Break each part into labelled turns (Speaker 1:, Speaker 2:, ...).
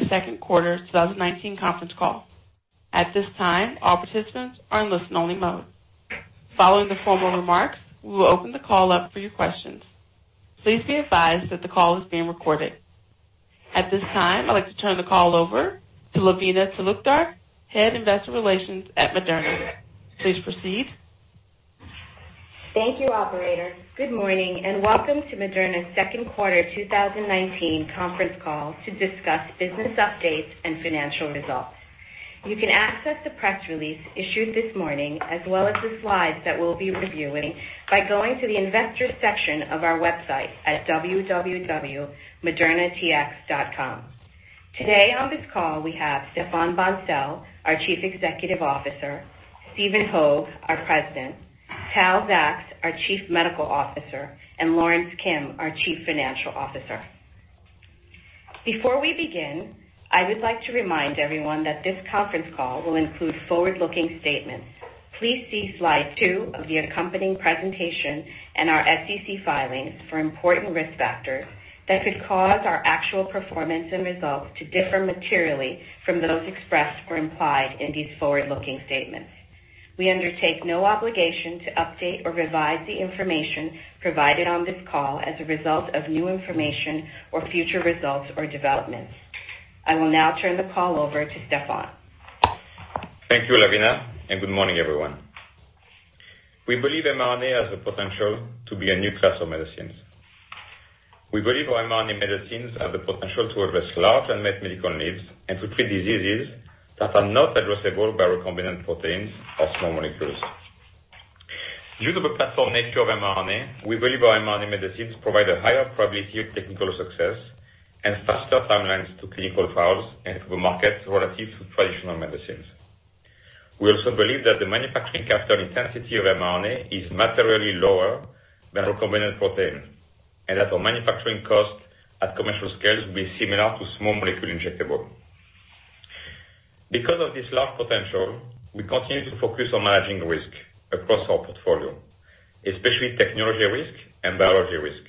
Speaker 1: The second quarter 2019 conference call. At this time, all participants are in listen only mode. Following the formal remarks, we will open the call up for your questions. Please be advised that the call is being recorded. At this time, I'd like to turn the call over to Lavina Talukdar, Head of Investor Relations at Moderna. Please proceed.
Speaker 2: Thank you, operator. Good morning and welcome to Moderna's second quarter 2019 conference call to discuss business updates and financial results. You can access the press release issued this morning, as well as the slides that we'll be reviewing by going to the investor section of our website at www.modernatx.com. Today on this call we have Stéphane Bancel, our Chief Executive Officer, Stephen Hoge, our President, Tal Zaks, our Chief Medical Officer, and Lorence Kim, our Chief Financial Officer. Before we begin, I would like to remind everyone that this conference call will include forward-looking statements. Please see slide two of the accompanying presentation and our SEC filings for important risk factors that could cause our actual performance and results to differ materially from those expressed or implied in these forward-looking statements. We undertake no obligation to update or revise the information provided on this call as a result of new information or future results or developments. I will now turn the call over to Stéphane.
Speaker 3: Thank you, Lavina, and good morning, everyone. We believe mRNA has the potential to be a new class of medicines. We believe our mRNA medicines have the potential to address large unmet medical needs and to treat diseases that are not addressable by recombinant proteins or small molecules. Due to the platform nature of mRNA, we believe our mRNA medicines provide a higher probability of technical success and faster timelines to clinical files and to the market relative to traditional medicines. We also believe that the manufacturing capital intensity of mRNA is materially lower than recombinant protein, and that our manufacturing cost at commercial scale will be similar to small molecule injectable. Because of this large potential, we continue to focus on managing risk across our portfolio, especially technology risk and biology risk.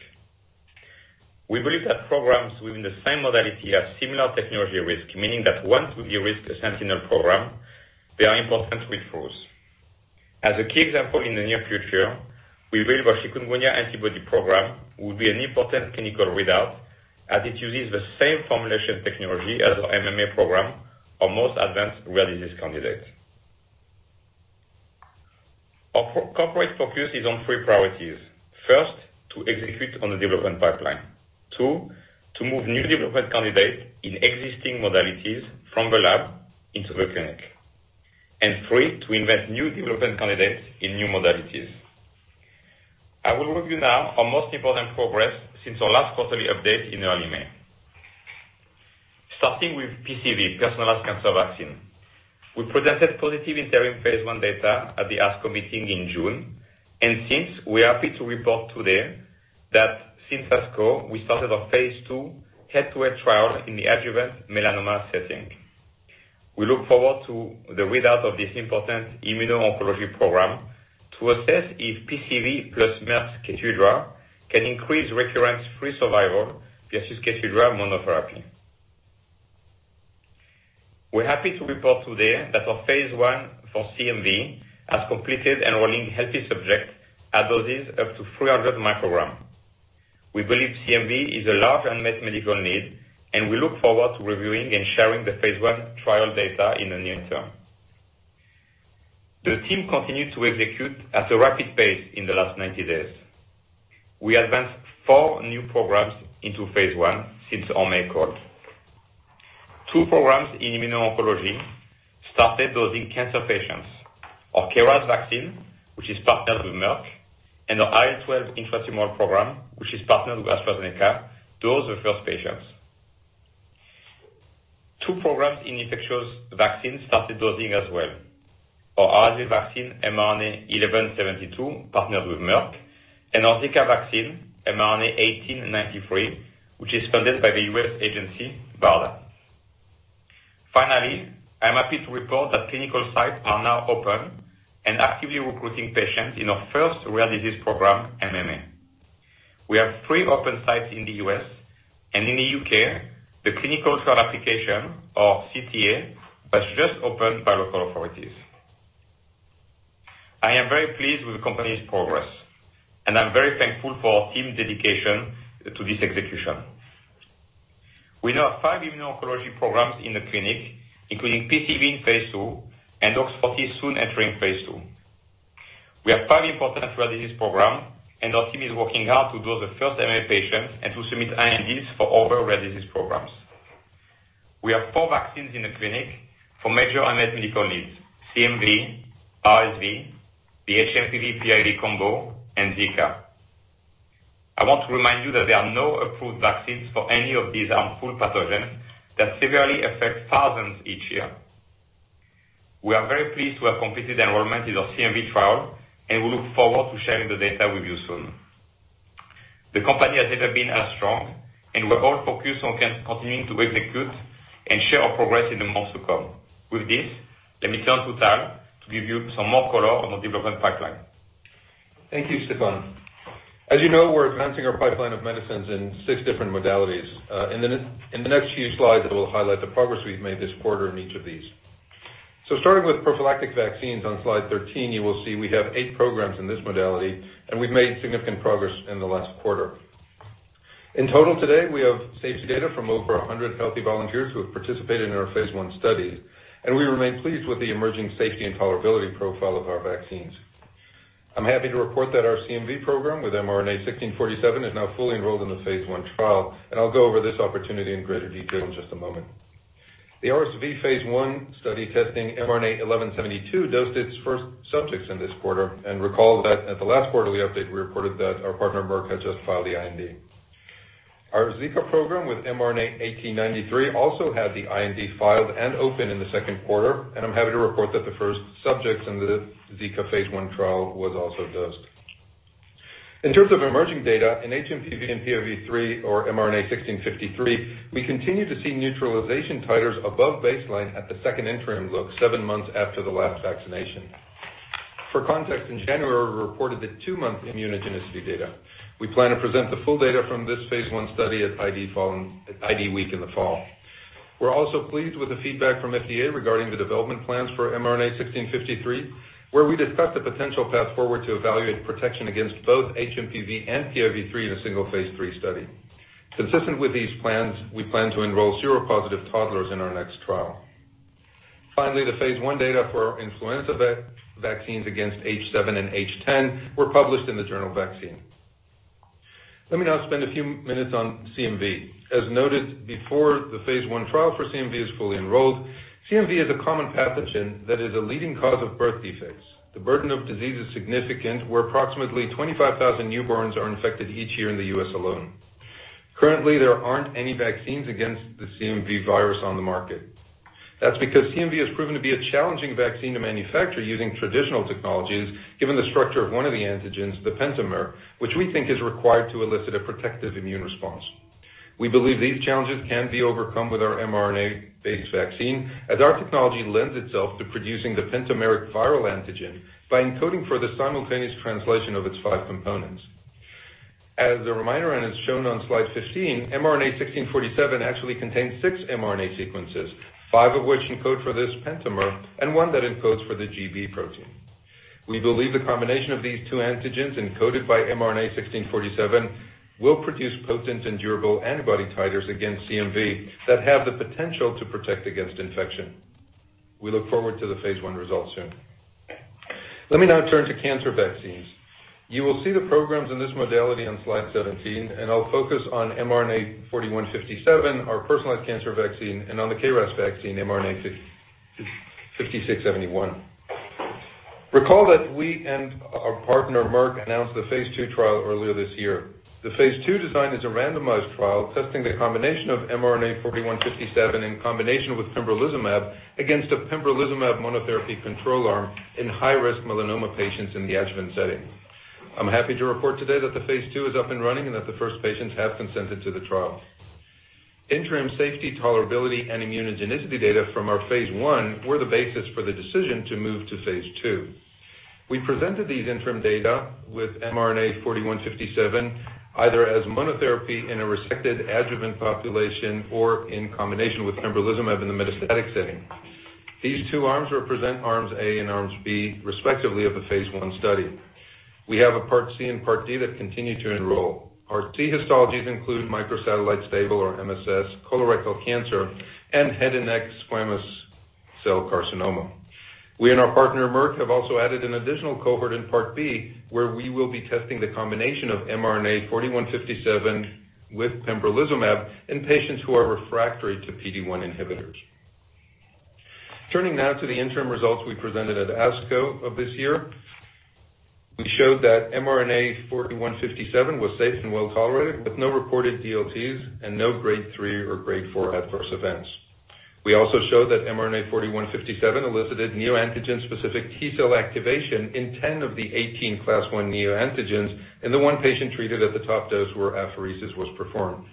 Speaker 3: We believe that programs within the same modality have similar technology risk, meaning that once we de-risk a sentinel program, they are important with force. As a key example, in the near future, we believe our chikungunya antibody program will be an important clinical readout as it uses the same formulation technology as our MMA program, our most advanced rare disease candidate. Our corporate focus is on 3 priorities. First, to execute on the development pipeline. Two, to move new development candidates in existing modalities from the lab into the clinic. three, to invent new development candidates in new modalities. I will walk you now our most important progress since our last quarterly update in early May. Starting with PCV, Personalized Cancer Vaccine. We presented positive interim phase I data at the ASCO meeting in June. Since we are happy to report today that since ASCO, we started our phase II head-to-head trial in the adjuvant melanoma setting. We look forward to the readout of this important immuno-oncology program to assess if PCV plus Merck's KEYTRUDA can increase recurrence-free survival versus KEYTRUDA monotherapy. We're happy to report today that our phase I for CMV has completed enrolling healthy subjects at doses up to 300 microgram. We believe CMV is a large unmet medical need. We look forward to reviewing and sharing the phase I trial data in the near term. The team continued to execute at a rapid pace in the last 90 days. We advanced four new programs into phase I since our May call. Two programs in immuno-oncology started dosing cancer patients. Our KRAS vaccine, which is partnered with Merck, and our IL-12 intratumoral program, which is partnered with AstraZeneca, dosed the first patients. Two programs in infectious vaccine started dosing as well. Our RSV vaccine, mRNA-1172, partnered with Merck, and our Zika vaccine, mRNA-1893, which is funded by the U.S. agency BARDA. I'm happy to report that clinical sites are now open and actively recruiting patients in our first rare disease program, MMA. We have three open sites in the U.S. and in the U.K. the clinical trial application or CTA has just opened by local authorities. I am very pleased with the company's progress, and I'm very thankful for our team dedication to this execution. We now have five immuno-oncology programs in the clinic, including PCV in phase II and OX40 soon entering phase II. We have five important rare disease program, and our team is working hard to dose the first MMA patient and to submit INDs for all the rare disease programs. We have four vaccines in the clinic for major unmet medical needs, CMV, RSV, the hMPV/PIV3 combo, and Zika. I want to remind you that there are no approved vaccines for any of these harmful pathogens that severely affect thousands each year. We are very pleased to have completed enrollment in our CMV trial, and we look forward to sharing the data with you soon. The company has never been as strong, and we're all focused on continuing to execute and share our progress in the months to come. With this, let me turn to Tal to give you some more color on our development pipeline.
Speaker 4: Thank you, Stéphane. As you know, we're advancing our pipeline of medicines in six different modalities. In the next few slides, we'll highlight the progress we've made this quarter in each of these. Starting with prophylactic vaccines on slide 13, you will see we have eight programs in this modality, and we've made significant progress in the last quarter. In total today, we have safety data from over 100 healthy volunteers who have participated in our phase I study, and we remain pleased with the emerging safety and tolerability profile of our vaccines. I'm happy to report that our CMV program with mRNA-1647 is now fully enrolled in the phase I trial, and I'll go over this opportunity in greater detail in just a moment. The RSV phase I study testing mRNA-1172 dosed its first subjects in this quarter. Recall that at the last quarterly update we reported that our partner, Merck, had just filed the IND. Our Zika program with mRNA-1893 also had the IND filed and open in the second quarter. I'm happy to report that the first subjects in the Zika phase I trial was also dosed. In terms of emerging data in hMPV and PIV3 or mRNA-1653, we continue to see neutralization titers above baseline at the second interim look seven months after the last vaccination. For context, in January, we reported the two-month immunogenicity data. We plan to present the full data from this phase I study at IDWeek in the fall. We're also pleased with the feedback from FDA regarding the development plans for mRNA-1653, where we discussed the potential path forward to evaluate protection against both hMPV and PIV3 in a single phase III study. Consistent with these plans, we plan to enroll seropositive toddlers in our next trial. Finally, the phase I data for influenza vaccines against H7 and H10 were published in the journal Vaccine. Let me now spend a few minutes on CMV. As noted before, the phase I trial for CMV is fully enrolled. CMV is a common pathogen that is a leading cause of birth defects. The burden of disease is significant, where approximately 25,000 newborns are infected each year in the U.S. alone. Currently, there aren't any vaccines against the CMV virus on the market. That's because CMV has proven to be a challenging vaccine to manufacture using traditional technologies, given the structure of one of the antigens, the pentamer, which we think is required to elicit a protective immune response. We believe these challenges can be overcome with our mRNA-based vaccine, as our technology lends itself to producing the pentameric viral antigen by encoding for the simultaneous translation of its five components. As a reminder, and it's shown on slide 15, mRNA-1647 actually contains six mRNA sequences, five of which encode for this pentamer and one that encodes for the gB protein. We believe the combination of these two antigens encoded by mRNA-1647 will produce potent and durable antibody titers against CMV that have the potential to protect against infection. We look forward to the phase I results soon. Let me now turn to cancer vaccines. You will see the programs in this modality on slide 17, and I'll focus on mRNA-4157, our personalized cancer vaccine, and on the KRAS vaccine, mRNA-5671. Recall that we and our partner, Merck, announced the phase II trial earlier this year. The phase II design is a randomized trial testing the combination of mRNA-4157 in combination with pembrolizumab against a pembrolizumab monotherapy control arm in high-risk melanoma patients in the adjuvant setting. I'm happy to report today that the phase II is up and running and that the first patients have consented to the trial. Interim safety, tolerability, and immunogenicity data from our phase I were the basis for the decision to move to phase II. We presented these interim data with mRNA-4157, either as monotherapy in a resected adjuvant population or in combination with pembrolizumab in the metastatic setting. These two arms represent arms A and arms B, respectively, of the phase I study. We have a part C and part D that continue to enroll. Part C histologies include microsatellite stable or MSS, colorectal cancer, and head and neck squamous cell carcinoma. We and our partner, Merck, have also added an additional cohort in part B, where we will be testing the combination of mRNA-4157 with pembrolizumab in patients who are refractory to PD-1 inhibitors. Turning now to the interim results we presented at ASCO of this year. We showed that mRNA-4157 was safe and well-tolerated, with no reported DLTs and no grade 3 or grade 4 adverse events. We also showed that mRNA-4157 elicited neoantigen-specific T-cell activation in 10 of the 18 class 1 neoantigens in the one patient treated at the top dose where apheresis was performed.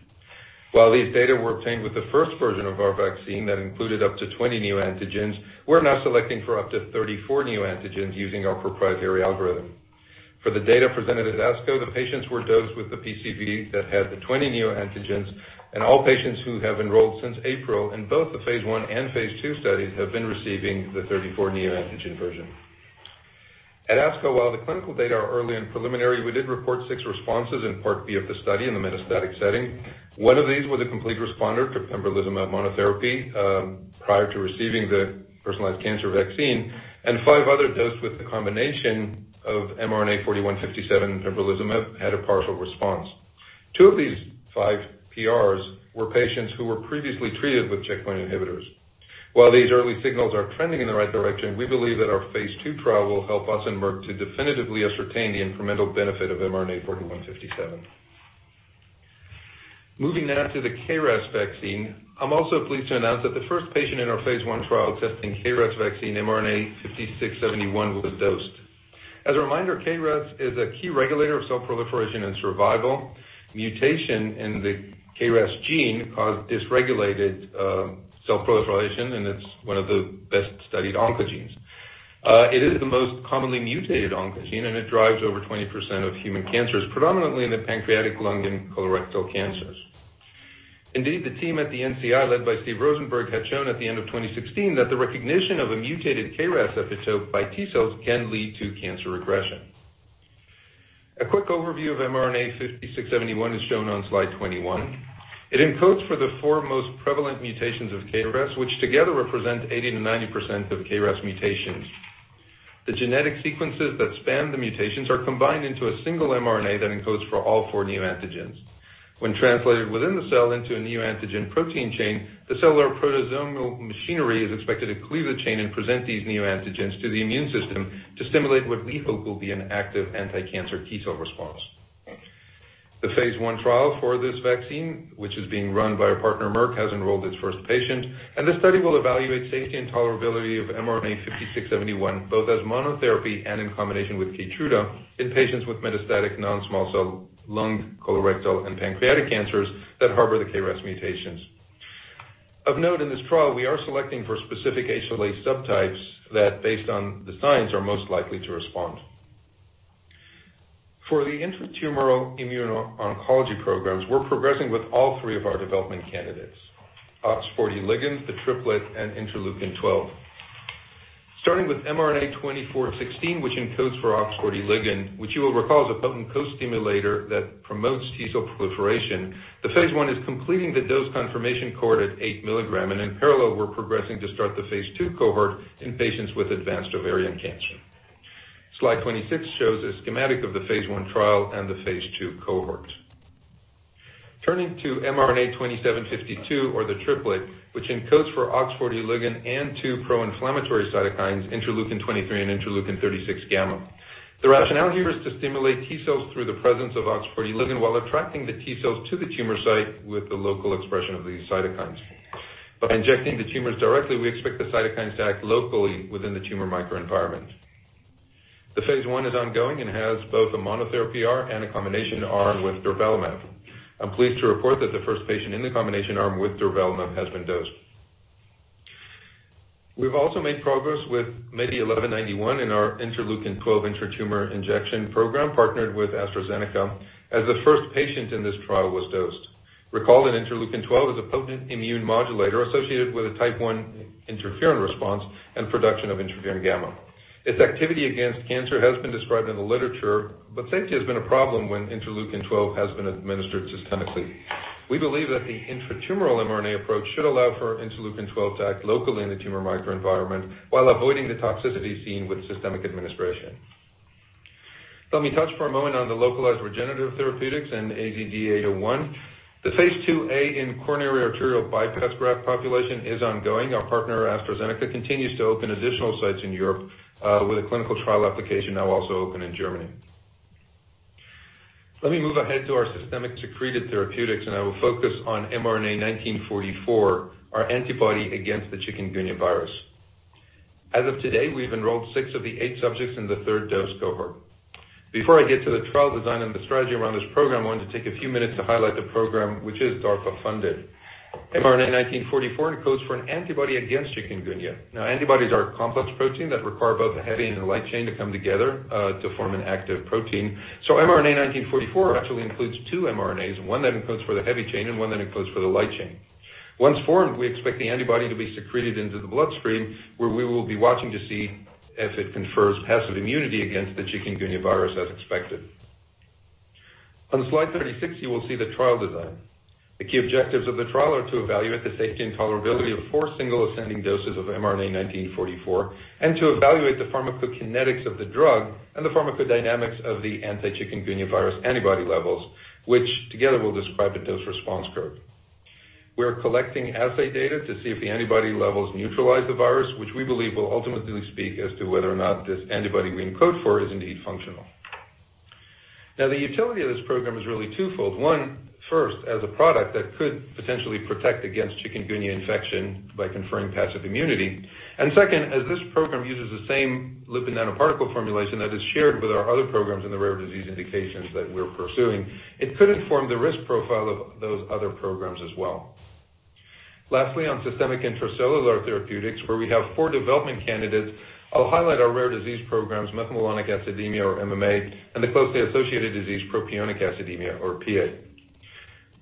Speaker 4: While these data were obtained with the first version of our vaccine that included up to 20 neoantigens, we're now selecting for up to 34 neoantigens using our proprietary algorithm. For the data presented at ASCO, the patients were dosed with the PCV that had the 20 neoantigens, and all patients who have enrolled since April in both the phase I and phase II studies have been receiving the 34 neoantigen version. At ASCO, while the clinical data are early and preliminary, we did report six responses in part B of the study in the metastatic setting. One of these was a complete responder to pembrolizumab monotherapy, prior to receiving the personalized cancer vaccine, and five other dosed with the combination of mRNA-4157 and pembrolizumab had a partial response. Two of these five PRs were patients who were previously treated with checkpoint inhibitors. While these early signals are trending in the right direction, we believe that our phase II trial will help us and Merck to definitively ascertain the incremental benefit of mRNA-4157. Moving now to the KRAS vaccine. I'm also pleased to announce that the first patient in our phase I trial testing KRAS vaccine mRNA-5671 was dosed. As a reminder, KRAS is a key regulator of cell proliferation and survival. Mutation in the KRAS gene caused dysregulated cell proliferation, and it's one of the best-studied oncogenes. It is the most commonly mutated oncogene, and it drives over 20% of human cancers, predominantly in the pancreatic, lung, and colorectal cancers. The team at the NCI led by Steve Rosenberg had shown at the end of 2016 that the recognition of a mutated KRAS epitope by T cells can lead to cancer regression. A quick overview of mRNA-5671 is shown on slide 21. It encodes for the four most prevalent mutations of KRAS, which together represent 80%-90% of KRAS mutations. The genetic sequences that span the mutations are combined into a single mRNA that encodes for all four neoantigens. When translated within the cell into a neoantigen protein chain, the cellular proteasomal machinery is expected to cleave the chain and present these neoantigens to the immune system to stimulate what we hope will be an active anticancer T cell response. The phase I trial for this vaccine, which is being run by our partner, Merck, has enrolled its first patient, and the study will evaluate safety and tolerability of mRNA-5671, both as monotherapy and in combination with KEYTRUDA in patients with metastatic non-small cell lung, colorectal, and pancreatic cancers that harbor the KRAS mutations. Of note in this trial, we are selecting for specific HLA subtypes that, based on the signs, are most likely to respond. For the intratumoral immuno-oncology programs, we're progressing with all three of our development candidates, OX40 ligand, the triplet, and interleukin-12. Starting with mRNA-2416, which encodes for OX40 ligand, which you will recall is a potent co-stimulator that promotes T cell proliferation, the phase I is completing the dose confirmation cohort at eight milligrams, and in parallel, we're progressing to start the phase II cohort in patients with advanced ovarian cancer. Slide 26 shows a schematic of the phase I trial and the phase II cohort. Turning to mRNA-2752 or the triplet, which encodes for OX40 ligand and two pro-inflammatory cytokines, interleukin-23 and interleukin-36 gamma. The rationale here is to stimulate T cells through the presence of OX40 ligand while attracting the T cells to the tumor site with the local expression of these cytokines. By injecting the tumors directly, we expect the cytokines to act locally within the tumor microenvironment. The phase I is ongoing and has both a monotherapy arm and a combination arm with durvalumab. I'm pleased to report that the first patient in the combination arm with durvalumab has been dosed. We've also made progress with MEDI1191 in our interleukin-12 intratumor injection program, partnered with AstraZeneca, as the first patient in this trial was dosed. Recall that interleukin-12 is a potent immune modulator associated with a type 1 interferon response and production of interferon gamma. Its activity against cancer has been described in the literature, safety has been a problem when interleukin-12 has been administered systemically. We believe that the intratumoral mRNA approach should allow for interleukin-12 to act locally in the tumor microenvironment while avoiding the toxicity seen with systemic administration. Let me touch for a moment on the localized regenerative therapeutics and AZD8601. The phase II-A in coronary arterial bypass graft population is ongoing. Our partner, AstraZeneca, continues to open additional sites in Europe, with a clinical trial application now also open in Germany. Let me move ahead to our systemic secreted therapeutics. I will focus on mRNA-1944, our antibody against the chikungunya virus. As of today, we've enrolled six of the eight subjects in the third dose cohort. Before I get to the trial design and the strategy around this program, I wanted to take a few minutes to highlight the program, which is DARPA-funded. mRNA-1944 encodes for an antibody against chikungunya. Antibodies are a complex protein that require both a heavy and a light chain to come together to form an active protein. mRNA-1944 actually includes two mRNAs, one that encodes for the heavy chain and one that encodes for the light chain. Once formed, we expect the antibody to be secreted into the bloodstream, where we will be watching to see if it confers passive immunity against the chikungunya virus as expected. On slide 36, you will see the trial design. The key objectives of the trial are to evaluate the safety and tolerability of four single ascending doses of mRNA-1944, and to evaluate the pharmacokinetics of the drug and the pharmacodynamics of the anti-chikungunya virus antibody levels, which together will describe the dose response curve. We're collecting assay data to see if the antibody levels neutralize the virus, which we believe will ultimately speak as to whether or not this antibody we encode for is indeed functional. The utility of this program is really twofold. First, as a product that could potentially protect against chikungunya infection by conferring passive immunity. Second, as this program uses the same lipid nanoparticle formulation that is shared with our other programs in the rare disease indications that we're pursuing, it could inform the risk profile of those other programs as well. Lastly, on systemic intracellular therapeutics, where we have four development candidates, I'll highlight our rare disease programs, methylmalonic acidemia or MMA, and the closely associated disease propionic acidemia or PA.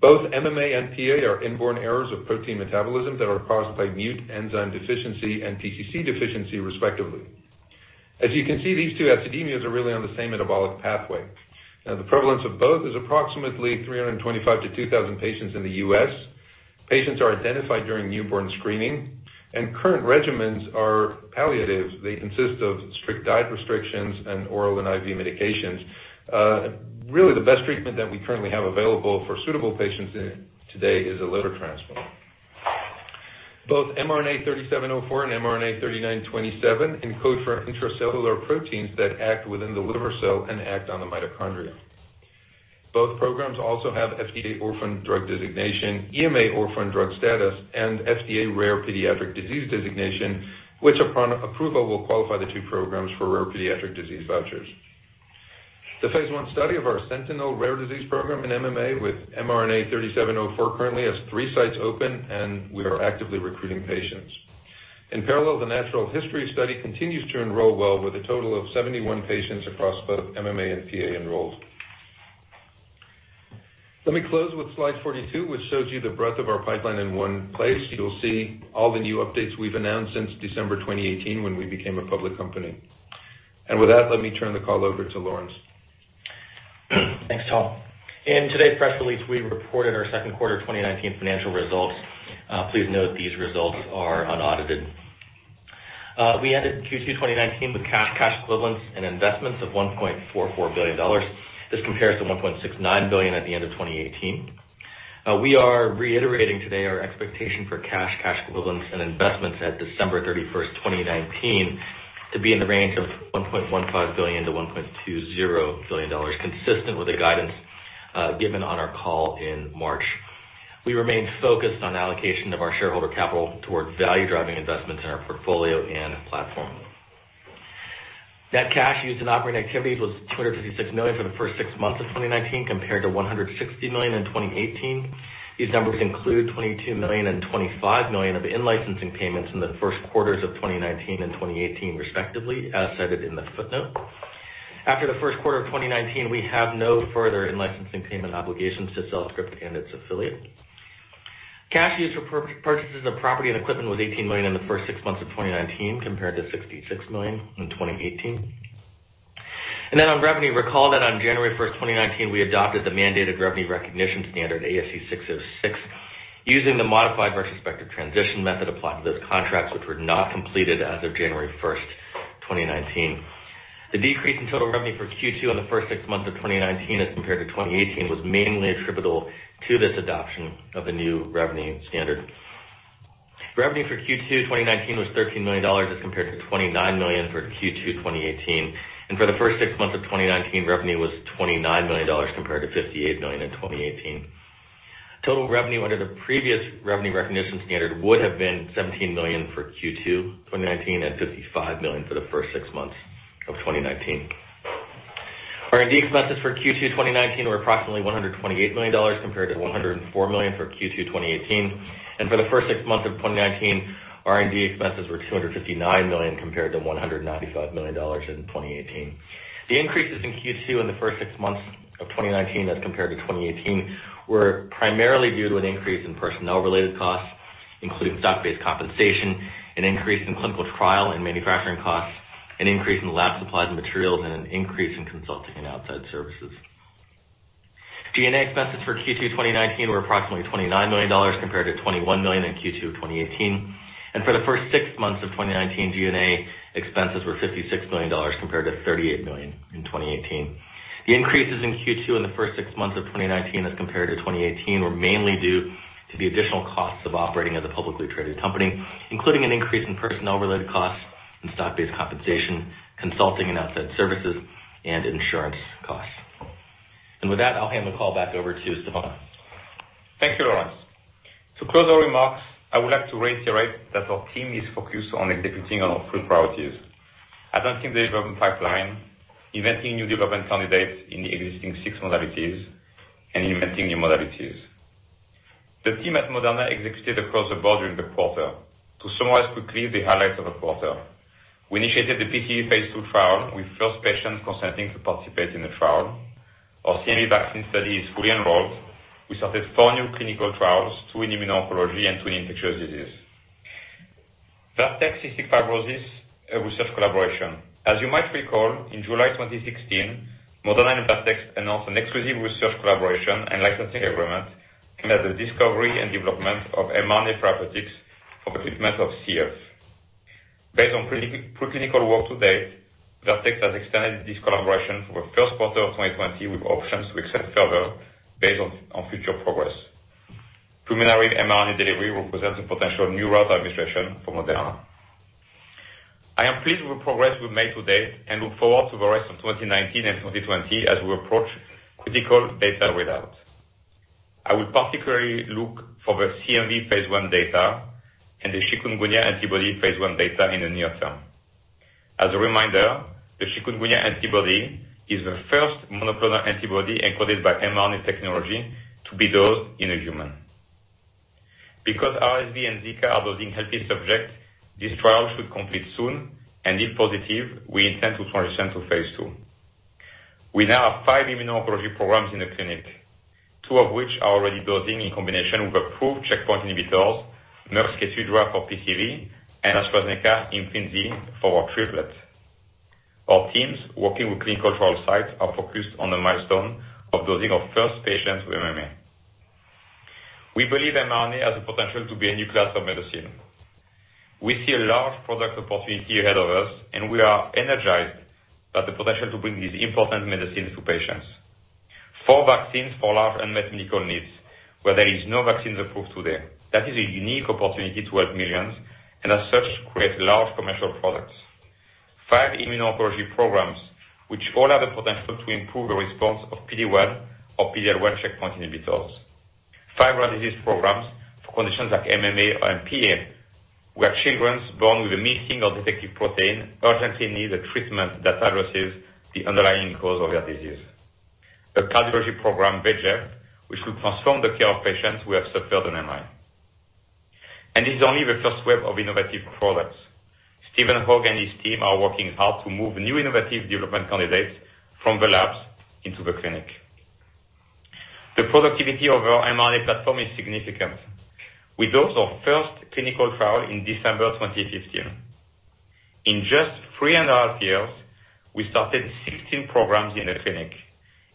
Speaker 4: Both MMA and PA are inborn errors of protein metabolism that are caused by MUT enzyme deficiency and PCC deficiency, respectively. As you can see, these two acidemias are really on the same metabolic pathway. The prevalence of both is approximately 325 to 2,000 patients in the U.S. Patients are identified during newborn screening, and current regimens are palliative. They consist of strict diet restrictions and oral and IV medications. Really, the best treatment that we currently have available for suitable patients today is a liver transplant. Both mRNA-3704 and mRNA-3927 encode for intracellular proteins that act within the liver cell and act on the mitochondria. Both programs also have FDA orphan drug designation, EMA orphan drug status, and FDA rare pediatric disease designation, which upon approval, will qualify the two programs for rare pediatric disease vouchers. The phase I study of our sentinel rare disease program in MMA with mRNA-3704 currently has three sites open, and we are actively recruiting patients. In parallel, the natural history study continues to enroll well with a total of 71 patients across both MMA and PA enrolled.
Speaker 3: Let me close with slide 42, which shows you the breadth of our pipeline in one place. You'll see all the new updates we've announced since December 2018, when we became a public company. With that, let me turn the call over to Lorence.
Speaker 5: Thanks, Tal. In today's press release, we reported our second quarter 2019 financial results. Please note these results are unaudited. We ended Q2 2019 with cash equivalents and investments of $1.44 billion. This compares to $1.69 billion at the end of 2018. We are reiterating today our expectation for cash equivalents, and investments at December 31st, 2019, to be in the range of $1.15 billion-$1.20 billion, consistent with the guidance given on our call in March. We remain focused on allocation of our shareholder capital towards value-driving investments in our portfolio and platform. Net cash used in operating activities was $256 million for the first six months of 2019, compared to $160 million in 2018. These numbers include $22 million and $25 million of in-licensing payments in the first quarters of 2019 and 2018, respectively, as cited in the footnote. After the first quarter of 2019, we have no further in-licensing payment obligations to CellScript and its affiliates. Cash used for purchases of property and equipment was $18 million in the first six months of 2019, compared to $66 million in 2018. On revenue, recall that on January 1st, 2019, we adopted the mandated revenue recognition standard, ASC 606, using the modified retrospective transition method applied to those contracts which were not completed as of January 1st, 2019. The decrease in total revenue for Q2 on the first six months of 2019 as compared to 2018 was mainly attributable to this adoption of the new revenue standard. Revenue for Q2 2019 was $13 million as compared to $29 million for Q2 2018. For the first six months of 2019, revenue was $29 million compared to $58 million in 2018. Total revenue under the previous revenue recognition standard would have been $17 million for Q2 2019 and $55 million for the first six months of 2019. R&D expenses for Q2 2019 were approximately $128 million, compared to $104 million for Q2 2018. For the first six months of 2019, R&D expenses were $259 million compared to $195 million in 2018. The increases in Q2 in the first six months of 2019 as compared to 2018, were primarily due to an increase in personnel-related costs, including stock-based compensation, an increase in clinical trial and manufacturing costs, an increase in lab supplies and materials, and an increase in consulting and outside services. G&A expenses for Q2 2019 were approximately $29 million, compared to $21 million in Q2 of 2018. For the first six months of 2019, G&A expenses were $56 million compared to $38 million in 2018. The increases in Q2 in the first six months of 2019 as compared to 2018, were mainly due to the additional costs of operating as a publicly traded company, including an increase in personnel-related costs and stock-based compensation, consulting and outside services, and insurance costs. With that, I'll hand the call back over to Stéphane.
Speaker 3: Thank you, Lorence. To close our remarks, I would like to reiterate that our team is focused on executing on our three priorities: advancing the development pipeline, inventing new development candidates in the existing six modalities, and inventing new modalities. The team at Moderna executed across the board during the quarter. To summarize quickly the highlights of the quarter. We initiated the PCV phase II trial, with first patients consenting to participate in the trial. Our CMV vaccine study is fully enrolled. We started four new clinical trials, two in immuno-oncology and two in infectious disease. Vertex Cystic Fibrosis Research Collaboration. As you might recall, in July 2016, Moderna and Vertex announced an exclusive research collaboration and licensing agreement aimed at the discovery and development of mRNA therapeutics for the treatment of CF. Based on preclinical work to date, Vertex has extended this collaboration through the first quarter of 2020 with options to extend further based on future progress. Pulmonary mRNA delivery represents a potential new route of administration for Moderna. I am pleased with the progress we've made to date and look forward to the rest of 2019 and 2020 as we approach critical data readouts. I will particularly look for the CMV phase I data and the chikungunya antibody phase I data in the near term. As a reminder, the chikungunya antibody is the first monoclonal antibody encoded by mRNA technology to be dosed in a human. Because RSV and Zika are dosing healthy subjects, these trials should complete soon, and if positive, we intend to transition to phase II. We now have five immuno-oncology programs in the clinic, two of which are already dosing in combination with approved checkpoint inhibitors, Merck's KEYTRUDA for PCV and AstraZeneca IMFINZI for our triplet. Our teams, working with clinical trial sites, are focused on the milestone of dosing our first patients with MMA. We believe mRNA has the potential to be a new class of medicine. We see a large product opportunity ahead of us, and we are energized by the potential to bring these important medicines to patients. Four vaccines for large unmet medical needs where there is no vaccines approved today. That is a unique opportunity to help millions, and as such, create large commercial products. Five immuno-oncology programs, which all have the potential to improve the response of PD-1 or PD-L1 checkpoint inhibitors. Five rare disease programs for conditions like MMA and PA, where children born with a missing or defective protein urgently need a treatment that addresses the underlying cause of their disease. A cardiology program, VEGF, which will transform the care of patients who have suffered an MI. This is only the first wave of innovative products. Stephen Hoge and his team are working hard to move new innovative development candidates from the labs into the clinic. The productivity of our mRNA platform is significant. We dose our first clinical trial in December 2015. In just 3 and a half years, we started 16 programs in the clinic,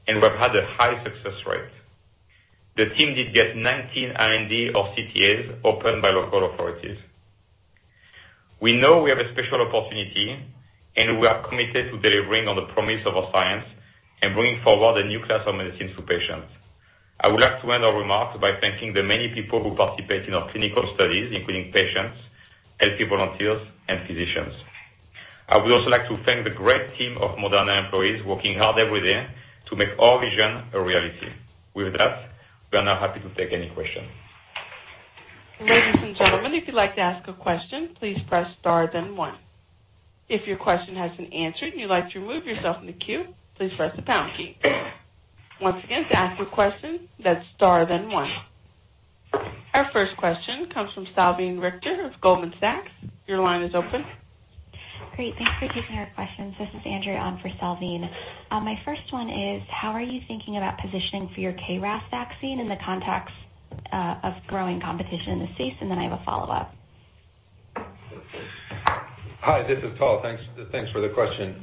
Speaker 3: and we've had a high success rate. The team did get 19 R&D or CTAs opened by local authorities. We know we have a special opportunity, and we are committed to delivering on the promise of our science and bringing forward a new class of medicines to patients. I would like to end our remarks by thanking the many people who participate in our clinical studies, including patients, healthy volunteers, and physicians. I would also like to thank the great team of Moderna employees working hard every day to make our vision a reality. With that, we are now happy to take any question.
Speaker 1: Ladies and gentlemen, if you'd like to ask a question, please press star then one. If your question has been answered and you'd like to remove yourself from the queue, please press the pound key. Once again, to ask a question, that's star then one. Our first question comes from Salveen Richter of Goldman Sachs. Your line is open.
Speaker 6: Great. Thanks for taking our questions. This is Andrea on for Salveen. My first one is, how are you thinking about positioning for your KRAS vaccine in the context of growing competition in the space? Then I have a follow-up.
Speaker 4: Hi, this is Tal. Thanks for the question.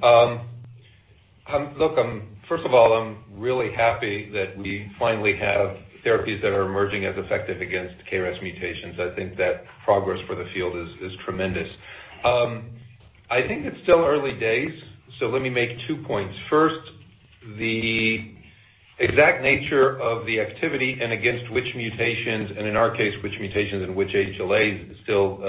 Speaker 4: Look, first of all, I'm really happy that we finally have therapies that are emerging as effective against KRAS mutations. I think that progress for the field is tremendous. I think it's still early days. Let me make two points. First, the exact nature of the activity and against which mutations, and in our case, which mutations and which HLAs still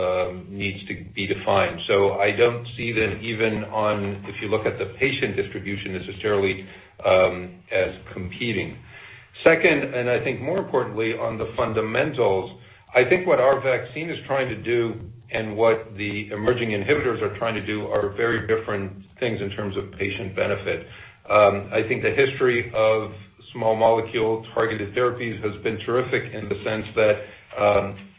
Speaker 4: needs to be defined. I don't see them even on, if you look at the patient distribution necessarily, as competing. Second, I think more importantly on the fundamentals, I think what our vaccine is trying to do and what the emerging inhibitors are trying to do are very different things in terms of patient benefit. I think the history of small molecule targeted therapies has been terrific in the sense that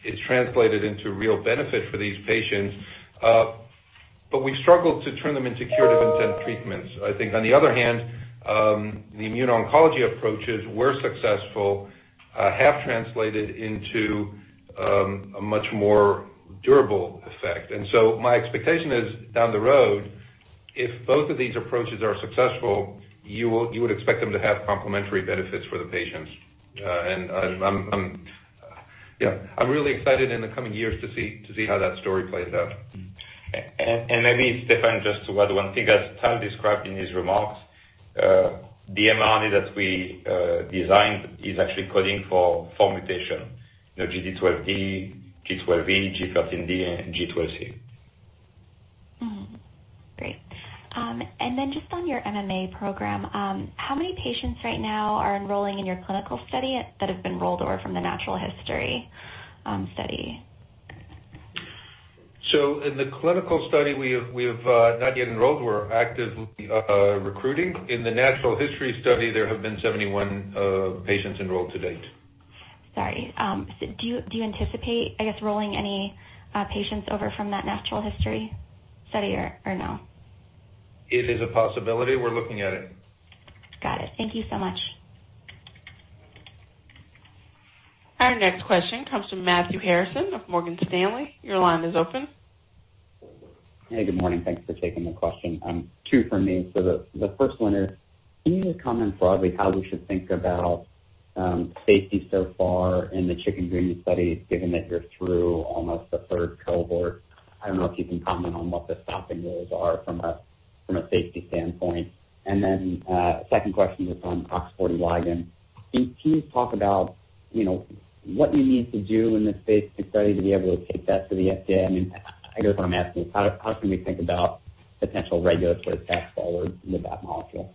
Speaker 4: it's translated into real benefit for these patients, but we struggled to turn them into curative intent treatments. I think on the other hand, the immuno-oncology approaches were successful, have translated into a much more durable effect. My expectation is, down the road, if both of these approaches are successful, you would expect them to have complementary benefits for the patients. I'm really excited in the coming years to see how that story plays out.
Speaker 3: Maybe, Stéphane, just to add one thing, as Tal described in his remarks, the mRNA that we designed is actually coding for four mutations, G12D, G12V, G13D, and G12C.
Speaker 6: Great. Just on your MMA program, how many patients right now are enrolling in your clinical study that have been rolled over from the natural history study?
Speaker 4: In the clinical study, we have not yet enrolled. We're actively recruiting. In the natural history study, there have been 71 patients enrolled to date.
Speaker 6: Sorry. Do you anticipate, I guess, rolling any patients over from that natural history study or no?
Speaker 4: It is a possibility. We're looking at it.
Speaker 6: Got it. Thank you so much.
Speaker 1: Our next question comes from Matthew Harrison of Morgan Stanley. Your line is open.
Speaker 7: Hey, good morning. Thanks for taking the question. Two from me. The first one is, can you just comment broadly how we should think about safety so far in the chikungunya study, given that you're through almost a third cohort? I don't know if you can comment on what the stopping rules are from a safety standpoint. Second question is on OX40 ligand. Can you talk about what you need to do in this phase II study to be able to take that to the FDA? I guess what I'm asking is how can we think about potential regulatory path forward with that molecule?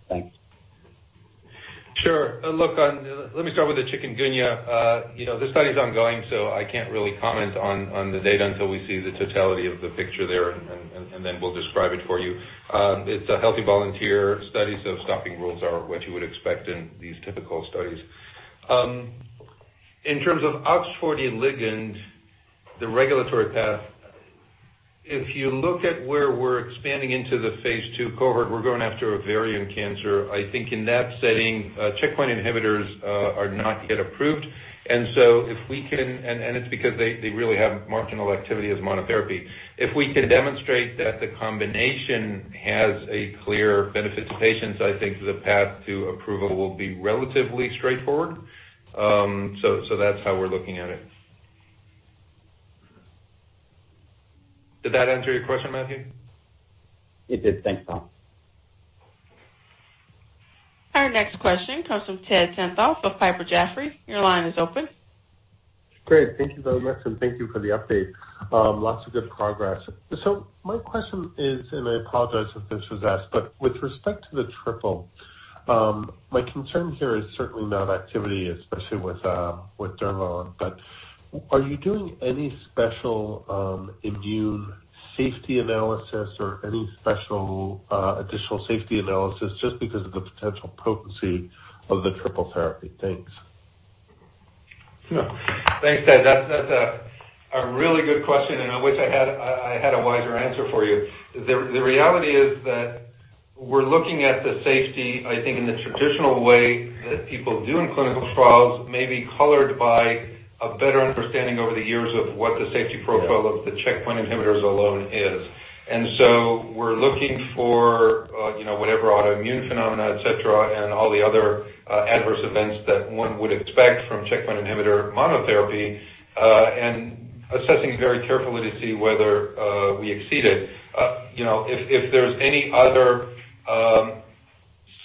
Speaker 7: Thanks.
Speaker 4: Sure. Look, let me start with the chikungunya. The study's ongoing, so I can't really comment on the data until we see the totality of the picture there, and then we'll describe it for you. It's a healthy volunteer study, so stopping rules are what you would expect in these typical studies. In terms of OX40 ligand, the regulatory path, if you look at where we're expanding into the phase II cohort, we're going after ovarian cancer. I think in that setting, checkpoint inhibitors are not yet approved. It's because they really have marginal activity as monotherapy. If we can demonstrate that the combination has a clear benefit to patients, I think the path to approval will be relatively straightforward. That's how we're looking at it. Did that answer your question, Matthew?
Speaker 7: It did. Thanks, Tal.
Speaker 1: Our next question comes from Ted Tenthoff of Piper Jaffray. Your line is open.
Speaker 8: Great. Thank you very much, and thank you for the update. Lots of good progress. My question is, and I apologize if this was asked, but with respect to the triple, my concern here is certainly not activity, especially with durvalumab, but are you doing any special immune safety analysis or any special additional safety analysis just because of the potential potency of the triple therapy? Thanks.
Speaker 4: Thanks, Ted. That's a really good question. I wish I had a wiser answer for you. The reality is that we're looking at the safety, I think, in the traditional way that people do in clinical trials, maybe colored by a better understanding over the years of what the safety profile of the checkpoint inhibitors alone is. We're looking for whatever autoimmune phenomena, et cetera, and all the other adverse events that one would expect from checkpoint inhibitor monotherapy, and assessing very carefully to see whether we exceed it. If there's any other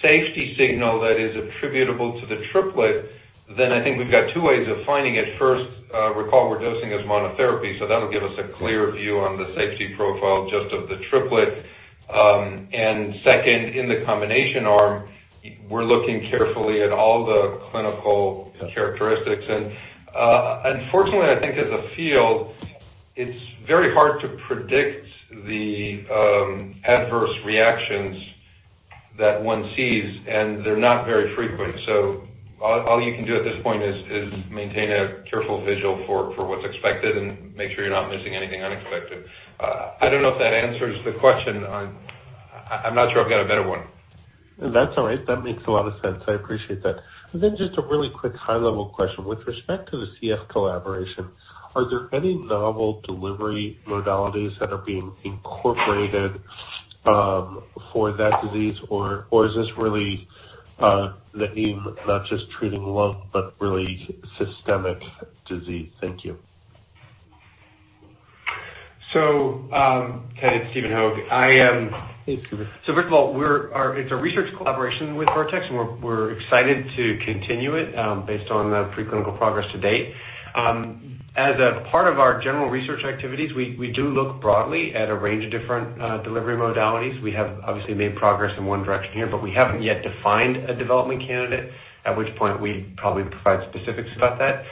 Speaker 4: safety signal that is attributable to the triplet, then I think we've got two ways of finding it. First, recall we're dosing as monotherapy, so that'll give us a clear view on the safety profile just of the triplet. Second, in the combination arm, we're looking carefully at all the clinical characteristics. Unfortunately, I think as a field, it's very hard to predict the adverse reactions that one sees, and they're not very frequent. All you can do at this point is maintain a careful visual for what's expected and make sure you're not missing anything unexpected. I don't know if that answers the question. I'm not sure I've got a better one.
Speaker 8: That's all right. That makes a lot of sense. I appreciate that. Just a really quick high-level question. With respect to the CF collaboration, are there any novel delivery modalities that are being incorporated for that disease? Is this really the need not just treating lung, but really systemic disease? Thank you.
Speaker 9: Ted, it's Stephen Hoge.
Speaker 8: Thanks, Stephen.
Speaker 9: First of all, it's a research collaboration with Vertex, and we're excited to continue it based on the preclinical progress to date. As a part of our general research activities, we do look broadly at a range of different delivery modalities. We have obviously made progress in one direction here, but we haven't yet defined a development candidate, at which point we'd probably provide specifics about that.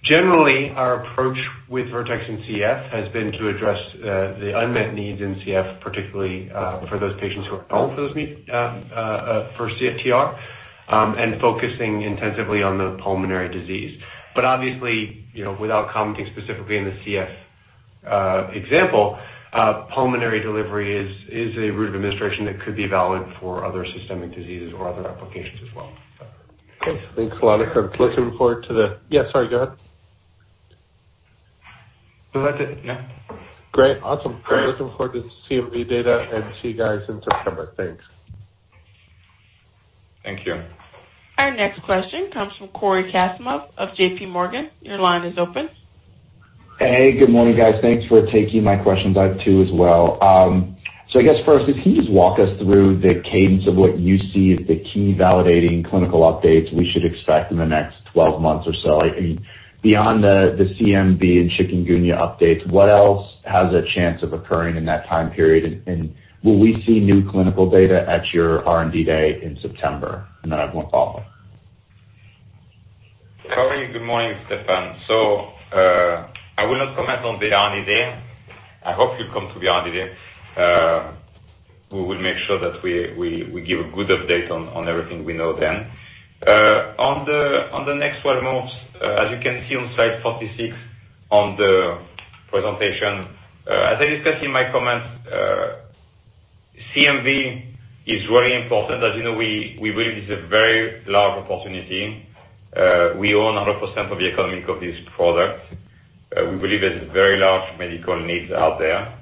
Speaker 9: Generally, our approach with Vertex and CF has been to address the unmet needs in CF, particularly for those patients who are eligible for CFTR, and focusing intensively on the pulmonary disease. Obviously, without commenting specifically on the CF example, pulmonary delivery is a route of administration that could be valid for other systemic diseases or other applications as well.
Speaker 8: Okay. Thanks a lot. I'm looking forward to. Yeah, sorry, go ahead.
Speaker 9: No, that's it. Yeah.
Speaker 8: Great. Awesome.
Speaker 9: Great.
Speaker 8: I'm looking forward to the CMV data and see you guys in September. Thanks.
Speaker 9: Thank you.
Speaker 1: Our next question comes from Cory Kasimov of JPMorgan. Your line is open.
Speaker 10: Hey, good morning, guys. Thanks for taking my questions out too as well. I guess first, can you just walk us through the cadence of what you see as the key validating clinical updates we should expect in the next 12 months or so? Beyond the CMV and chikungunya updates, what else has a chance of occurring in that time period? Will we see new clinical data at your R&D Day in September? I have one follow-up.
Speaker 3: Cory, good morning. Stéphane. I will not comment on the R&D day. I hope you come to the R&D day. We will make sure that we give a good update on everything we know then. On the next 12 months, as you can see on slide 46 on the presentation. As I discussed in my comments, CMV is very important. As you know, we believe it's a very large opportunity. We own 100% of the economic of this product. We believe there's very large medical needs out there.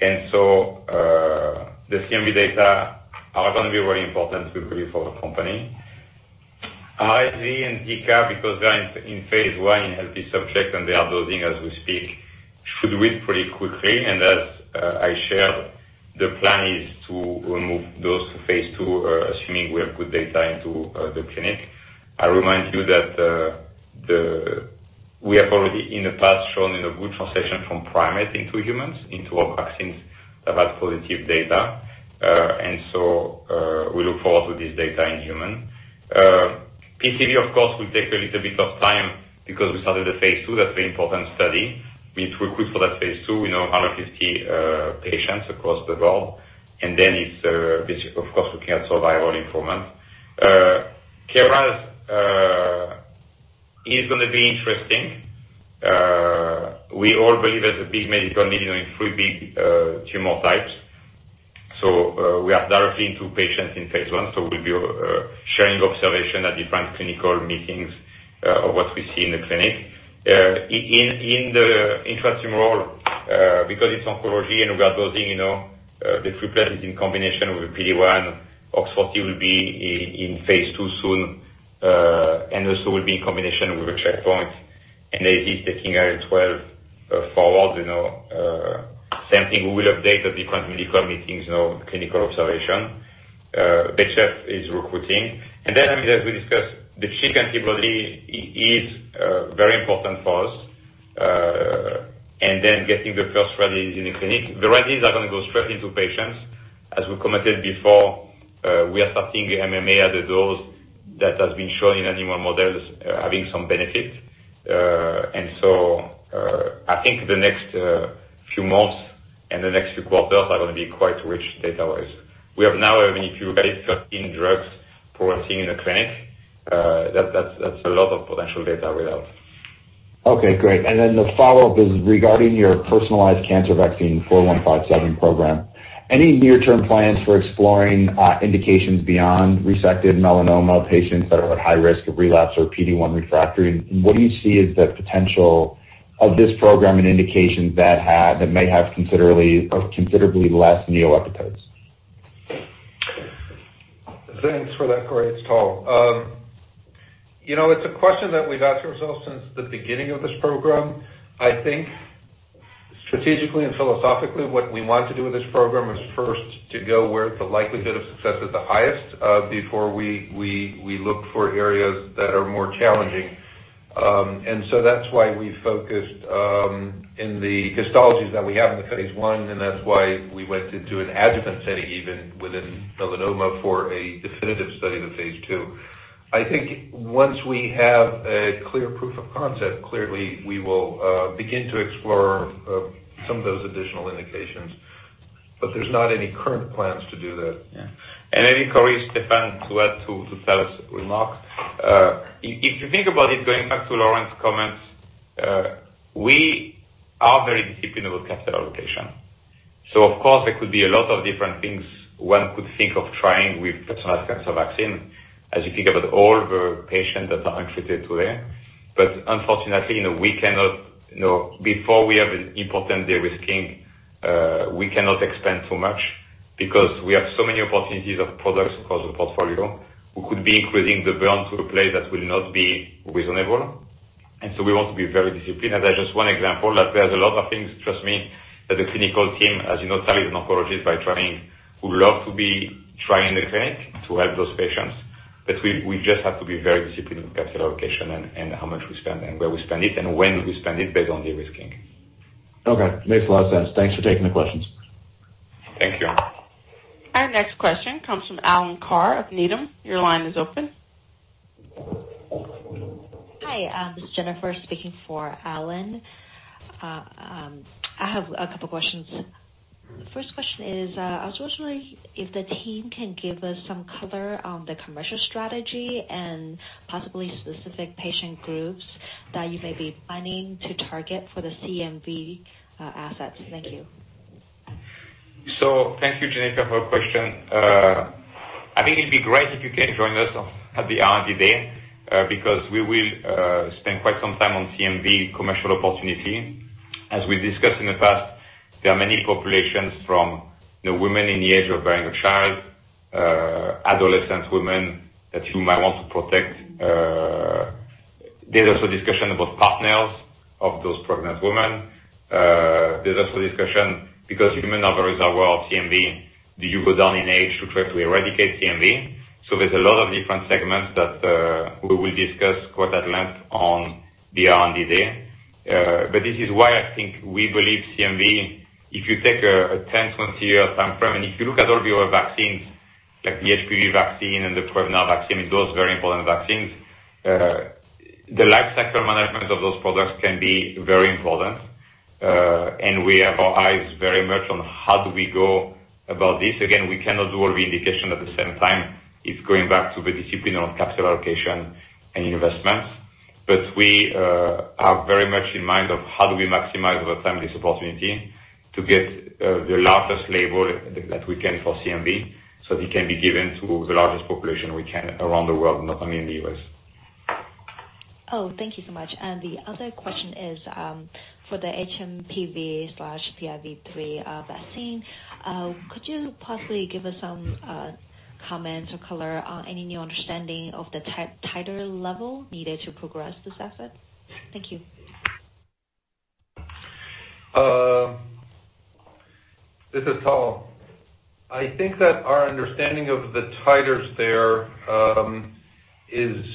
Speaker 3: The CMV data are going to be very important, we believe, for the company. HIV and Zika, because they're in phase I in healthy subjects, and they are dosing as we speak, should read pretty quickly. As I shared, the plan is to remove those to phase II, assuming we have good data into the clinic. I remind you that we have already in the past shown a good translation from primate into humans into our vaccines that had positive data. We look forward to this data in humans. PCV, of course, will take a little bit of time because we started the phase II. That's an important study. We need to recruit for that phase II. We know 150 patients across the world. It's, of course, looking at survival in four months. KRAS is going to be interesting. We all believe there's a big medical need in three big tumor types. We are directly into patients in phase I. We'll be sharing observation at different clinical meetings of what we see in the clinic. In the interesting role, because it's oncology and we are dosing, the triplet is in combination with PD-1. OX40 will be in phase II soon, and also will be in combination with a checkpoint. AZ is taking IL-12 forward. Same thing, we will update the different medical meetings on clinical observation. VEGF is recruiting. As we discussed, the chikungunya antibody is very important for us. Getting the first rare disease in the clinic. The rare diseases are going to go straight into patients. As we commented before, we are starting the MMA at a dose that has been shown in animal models having some benefit. I think the next few months and the next few quarters are going to be quite rich data-wise. We have now many few 13 drugs progressing in the clinic. That's a lot of potential data we have.
Speaker 10: Okay, great. The follow-up is regarding your Personalized Cancer Vaccine mRNA-4157 program. Any near-term plans for exploring indications beyond resected melanoma patients that are at high risk of relapse or PD-1 refractory? What do you see is the potential of this program and indications that may have considerably less neoepitopes?
Speaker 4: Thanks for that, Cory. It's Tal. It's a question that we've asked ourselves since the beginning of this program. I think strategically and philosophically, what we want to do with this program is first to go where the likelihood of success is the highest, before we look for areas that are more challenging. That's why we focused in the histologies that we have in the phase I, and that's why we went into an adjuvant setting even within melanoma for a definitive study of the phase II. I think once we have a clear proof of concept, clearly we will begin to explore some of those additional indications. There's not any current plans to do that.
Speaker 3: Yeah. Maybe, Cory, Stéphane to add to Tal's remarks. If you think about it, going back to Lorence's comments, we are very disciplined with capital allocation. Of course, there could be a lot of different things one could think of trying with Personalized Cancer Vaccine, as you think about all the patients that are untreated today. Unfortunately, before we have an important de-risking, we cannot expand too much because we have so many opportunities of products across the portfolio. We could be increasing the burn to a place that will not be reasonable. We want to be very disciplined. That's just one example. There's a lot of things, trust me, that the clinical team, as you know, Tal, is an oncologist by training, who love to be trying in the clinic to help those patients. We just have to be very disciplined with capital allocation and how much we spend and where we spend it and when we spend it based on de-risking.
Speaker 10: Okay. Makes a lot of sense. Thanks for taking the questions.
Speaker 3: Thank you.
Speaker 1: Our next question comes from Alan Carr of Needham. Your line is open.
Speaker 11: Hi, this is Jennifer speaking for Alan. I have a couple questions. First question is, I was wondering if the team can give us some color on the commercial strategy and possibly specific patient groups that you may be planning to target for the CMV assets. Thank you.
Speaker 3: Thank you, Jennifer, for your question. I think it'd be great if you can join us at the R&D Day because we will spend quite some time on CMV commercial opportunity. As we discussed in the past, there are many populations from women in the age of bearing a child, adolescent women that you might want to protect. There's also discussion about partners of those pregnant women. There's also discussion because human are a reservoir of CMV. Do you go down in age to try to eradicate CMV? There's a lot of different segments that we will discuss quite at length on the R&D Day. This is why I think we believe CMV, if you take a 10, 20-year time frame, and if you look at all the other vaccines like the HPV vaccine and the Prevnar vaccine and those very important vaccines, the life cycle management of those products can be very important. We have our eyes very much on how do we go about this. Again, we cannot do all the indication at the same time. It's going back to the discipline of capital allocation and investments. We have very much in mind of how do we maximize over time this opportunity to get the largest label that we can for CMV, so it can be given to the largest population we can around the world, not only in the U.S.
Speaker 11: Oh, thank you so much. The other question is for the hMPV/PIV3 vaccine. Could you possibly give us some comments or color on any new understanding of the titer level needed to progress this asset? Thank you.
Speaker 4: This is Tal. I think that our understanding of the titers there is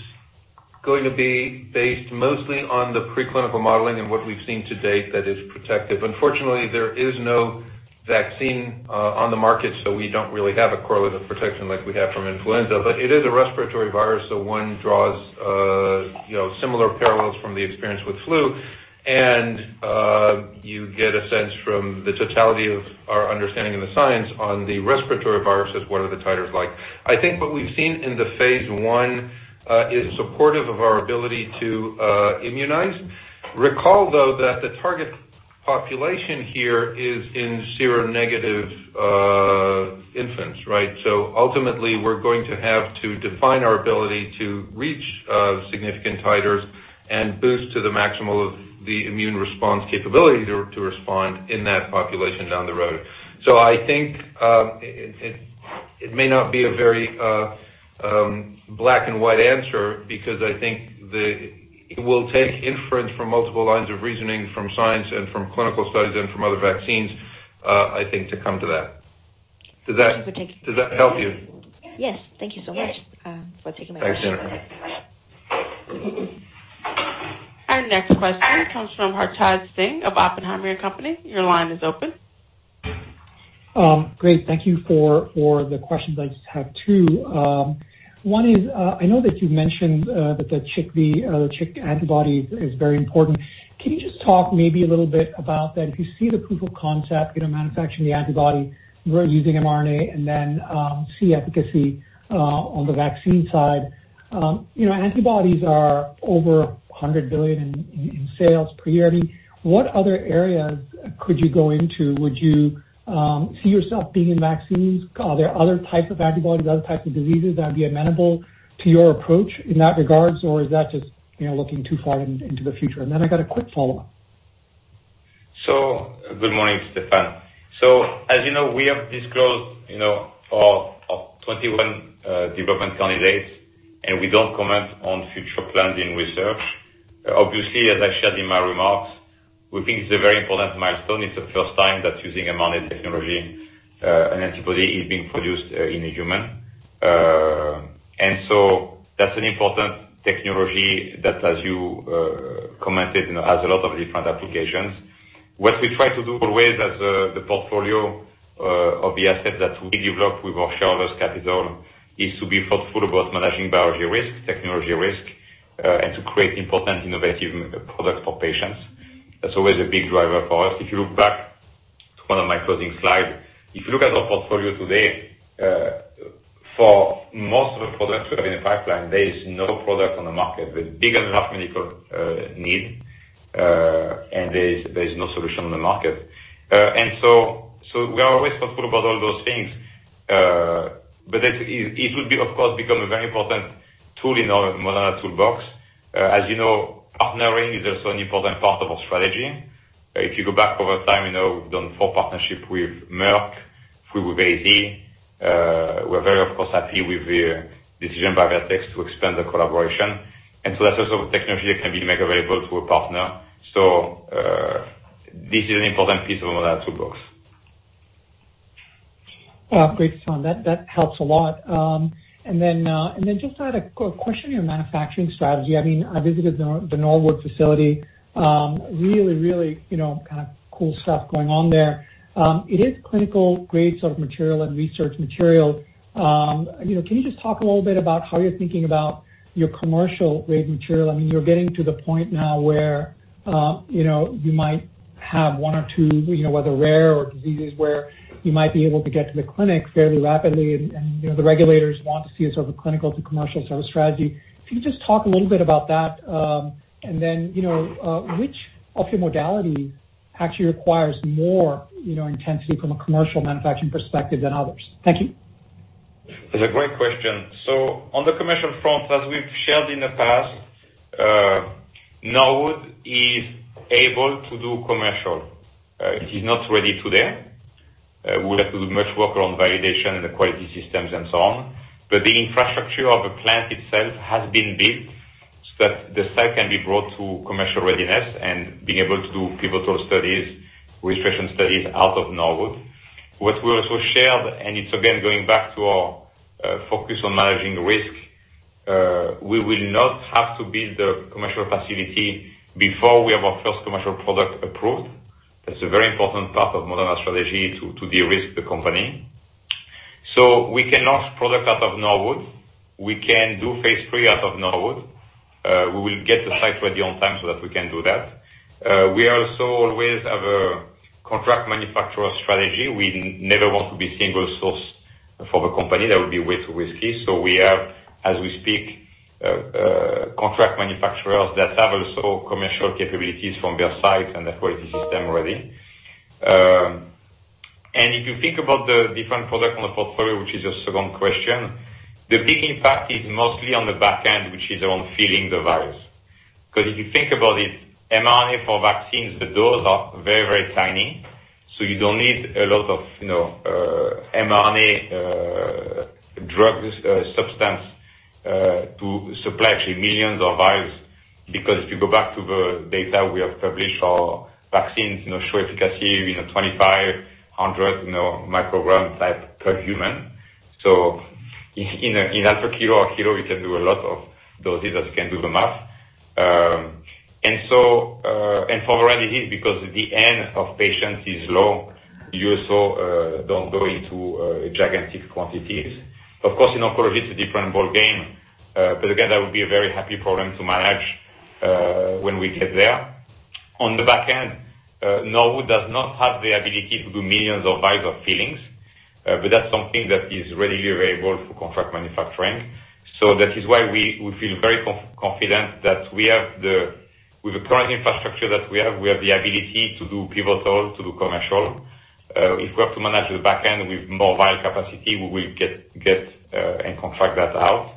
Speaker 4: going to be based mostly on the preclinical modeling and what we've seen to date that is protective. Unfortunately, there is no vaccine on the market, so we don't really have a correlate of protection like we have from influenza. It is a respiratory virus, so one draws similar parallels from the experience with flu. You get a sense from the totality of our understanding of the science on the respiratory viruses, what are the titers like. I think what we've seen in the phase I is supportive of our ability to immunize. Recall, though, that the target population here is in seronegative infants, right? Ultimately, we're going to have to define our ability to reach significant titers and boost to the maximal of the immune response capability to respond in that population down the road. I think it may not be a very black and white answer because I think it will take inference from multiple lines of reasoning from science and from clinical studies and from other vaccines, I think, to come to that. Does that help you?
Speaker 11: Yes. Thank you so much for taking my question.
Speaker 4: Thanks, Jennifer.
Speaker 1: Our next question comes from Hartaj Singh of Oppenheimer & Co. Your line is open.
Speaker 12: Great. Thank you for the questions. I just have two. One is, I know that you've mentioned that the chikungunya antibody is very important. Can you just talk maybe a little bit about that? If you see the proof of concept in manufacturing the antibody, we're using mRNA, then see efficacy on the vaccine side. Antibodies are over $100 billion in sales per year. What other areas could you go into? Would you see yourself being in vaccines? Are there other types of antibodies, other types of diseases that would be amenable to your approach in that regards? Or is that just looking too far into the future? I got a quick follow-up.
Speaker 3: Good morning, Stéphane. As you know, we have disclosed for our 21 development candidates, and we don't comment on future plans in research. Obviously, as I shared in my remarks, we think it's a very important milestone. It's the first time that using mRNA technology, an antibody is being produced in a human. That's an important technology that, as you commented, has a lot of different applications. What we try to do always as the portfolio of the assets that we develop with our shareholders' capital is to be thoughtful about managing biology risk, technology risk, and to create important innovative products for patients. That's always a big driver for us. If you look back to one of my closing slides, if you look at our portfolio today, for most of the products that are in the pipeline, there is no product on the market with big enough medical need, and there is no solution on the market. We are always thoughtful about all those things. It would, of course, become a very important tool in our Moderna toolbox. As you know, partnering is also an important part of our strategy. If you go back over time, we've done 4 partnerships with Merck, 3 with AZ. We're very, of course, happy with the decision by Vertex to expand the collaboration. That's also technology that can be made available to a partner. This is an important piece of Moderna's toolbox.
Speaker 12: Great, Stéphane. That helps a lot. Just had a question on your manufacturing strategy. I visited the Norwood facility. Really kind of cool stuff going on there. It is clinical-grade sort of material and research material. Can you just talk a little bit about how you're thinking about your commercial grade material? You're getting to the point now where you might have one or two, whether rare or diseases where you might be able to get to the clinic fairly rapidly, and the regulators want to see a sort of a clinical to commercial strategy. If you could just talk a little bit about that, which of your modalities actually requires more intensity from a commercial manufacturing perspective than others? Thank you.
Speaker 3: That's a great question. On the commercial front, as we've shared in the past, Norwood is able to do commercial. It is not ready today. We have to do much work around validation and the quality systems and so on. The infrastructure of the plant itself has been built so that the site can be brought to commercial readiness and being able to do pivotal studies, registration studies out of Norwood. What we also shared, and it's again going back to our focus on managing risk, we will not have to build a commercial facility before we have our first commercial product approved. That's a very important part of Moderna strategy to de-risk the company. We can launch product out of Norwood. We can do phase III out of Norwood. We will get the site ready on time so that we can do that. We also always have a contract manufacturer strategy. We never want to be single source for the company. That would be way too risky. We have, as we speak, contract manufacturers that have also commercial capabilities from their site and the quality system ready. If you think about the different product on the portfolio, which is your second question, the big impact is mostly on the back end, which is on filling the vials. If you think about it, mRNA for vaccines, the dose are very, very tiny. You don't need a lot of mRNA drug substance to supply actually millions of vials. If you go back to the data we have published, our vaccines show efficacy, 2,500 micrograms per human. In half a kilo or a kilo, you can do a lot of doses, as you can do the math. For rare disease, because the N of patients is low, you also don't go into gigantic quantities. Of course, in oncology, it's a different ball game. Again, that would be a very happy problem to manage when we get there. On the back end, Norwood does not have the ability to do millions of vials of fillings, but that's something that is readily available to contract manufacturing. That is why we feel very confident that with the current infrastructure that we have, we have the ability to do pivotal, to do commercial. If we have to manage the back end with more vial capacity, we will get and contract that out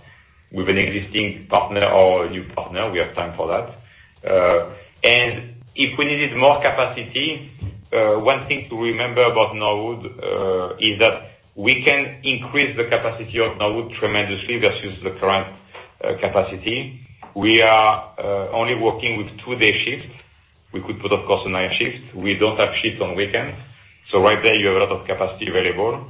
Speaker 3: with an existing partner or a new partner. We have time for that. If we needed more capacity, one thing to remember about Norwood is that we can increase the capacity of Norwood tremendously versus the current capacity. We are only working with 2 day shifts. We could put, of course, a night shift. We don't have shifts on weekends. Right there, you have a lot of capacity available.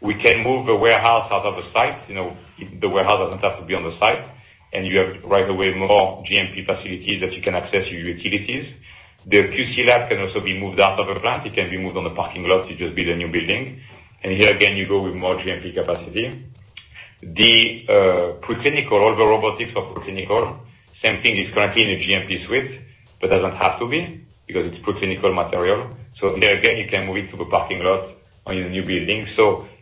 Speaker 3: We can move the warehouse out of the site. The warehouse doesn't have to be on the site. You have right away more GMP facilities that you can access your utilities. The QC lab can also be moved out of the plant. It can be moved on the parking lot, you just build a new building. Here again, you go with more GMP capacity. The pre-clinical, all the robotics of pre-clinical, same thing, it's currently in a GMP suite, but doesn't have to be, because it's pre-clinical material. There again, you can move it to the parking lot or in a new building.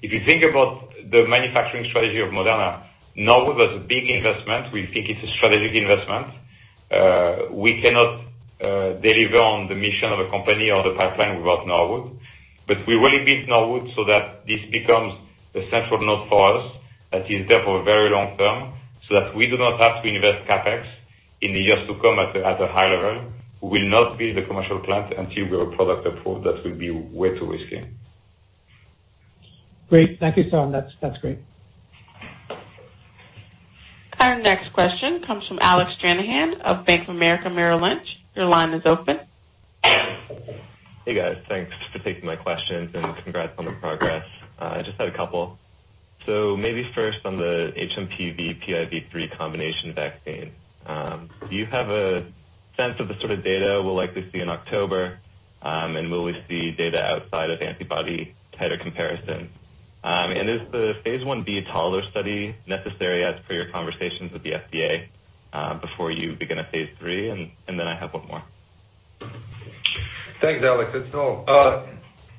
Speaker 3: If you think about the manufacturing strategy of Moderna, Norwood was a big investment. We think it's a strategic investment. We cannot deliver on the mission of a company or the pipeline without Norwood. We really built Norwood so that this becomes a central node for us that is there for a very long term, so that we do not have to invest CapEx in the years to come at a high level. We will not build a commercial plant until we're product approved. That would be way too risky.
Speaker 12: Great. Thank you, Stéphane. That's great.
Speaker 1: Our next question comes from Alec Stranahan of Bank of America Merrill Lynch. Your line is open.
Speaker 13: Hey, guys. Thanks for taking my questions. Congrats on the progress. I just had a couple. Maybe first on the hMPV/PIV3 combination vaccine. Do you have a sense of the sort of data we'll likely see in October? Will we see data outside of antibody titer comparison? Is the phase I-B toddler study necessary as per your conversations with the FDA before you begin a phase III? I have one more.
Speaker 4: Thanks, Alex. It's Tal.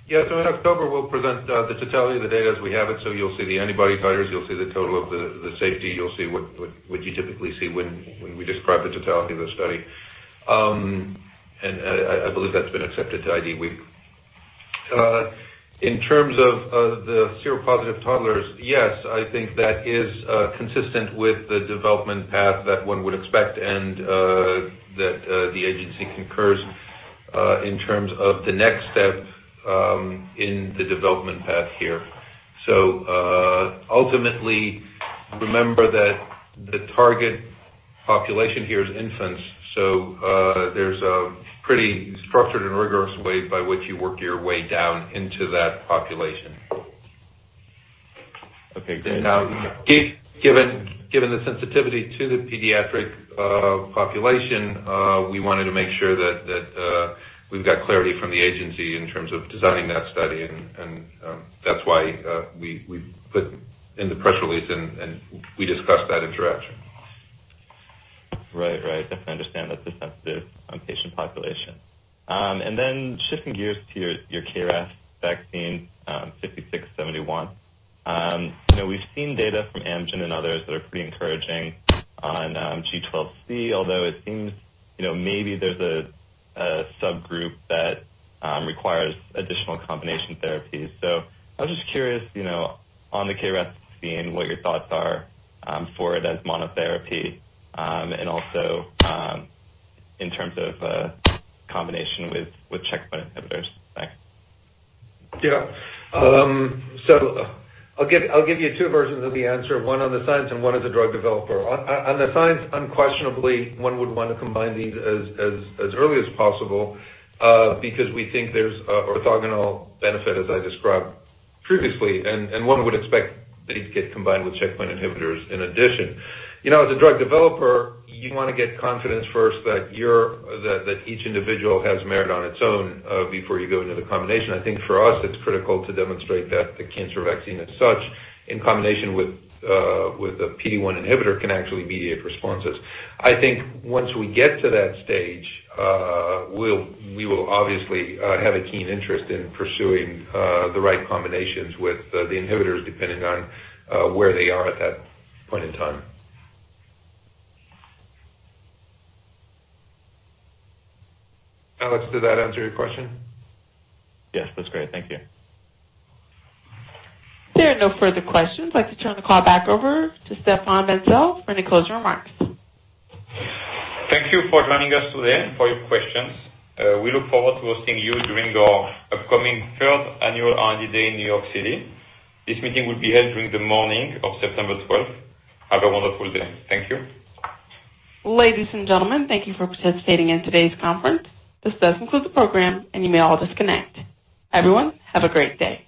Speaker 4: Yeah, in October, we'll present the totality of the data as we have it, so you'll see the antibody titers, you'll see the total of the safety. You'll see what you typically see when we describe the totality of the study. I believe that's been accepted to IDWeek. In terms of the seropositive toddlers, yes, I think that is consistent with the development path that one would expect and that the agency concurs in terms of the next step in the development path here. Ultimately, remember that the target population here is infants, so there's a pretty structured and rigorous way by which you work your way down into that population.
Speaker 13: Okay, great.
Speaker 4: Now, given the sensitivity to the pediatric population, we wanted to make sure that we've got clarity from the agency in terms of designing that study, and that's why we put in the press release, and we discussed that interaction.
Speaker 13: Definitely understand that's a sensitive patient population. Shifting gears to your KRAS vaccine 5671. We've seen data from Amgen and others that are pretty encouraging on G12C, although it seems maybe there's a subgroup that requires additional combination therapies. I was just curious, on the KRAS vaccine, what your thoughts are for it as monotherapy, and also in terms of combination with checkpoint inhibitors. Thanks.
Speaker 4: I'll give you two versions of the answer, one on the science and one as a drug developer. On the science, unquestionably, one would want to combine these as early as possible, because we think there's an orthogonal benefit, as I described previously. One would expect these get combined with checkpoint inhibitors in addition. As a drug developer, you want to get confidence first that each individual has merit on its own before you go into the combination. I think for us, it's critical to demonstrate that the cancer vaccine as such, in combination with a PD-1 inhibitor, can actually mediate responses. I think once we get to that stage, we will obviously have a keen interest in pursuing the right combinations with the inhibitors, depending on where they are at that point in time. Alex, did that answer your question?
Speaker 13: Yes. That's great. Thank you.
Speaker 1: There are no further questions. I'd like to turn the call back over to Stéphane Bancel for any closing remarks.
Speaker 3: Thank you for joining us today and for your questions. We look forward to seeing you during our upcoming third annual INDs Day in New York City. This meeting will be held during the morning of September 12th. Have a wonderful day. Thank you.
Speaker 1: Ladies and gentlemen, thank you for participating in today's conference. This does conclude the program, and you may all disconnect. Everyone, have a great day.